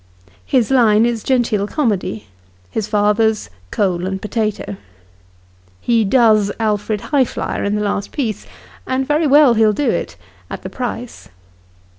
His line is genteel comedy his father's, coal and potato. He does Alfred Highflier in the last piece, and very well he'll do it at the price.